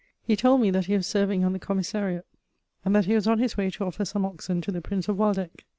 He told me that he was serving on the commissariat, and that he was on his way to offer some oxen to the Prince of Waldeck.